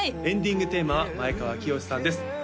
エンディングテーマは前川清さんです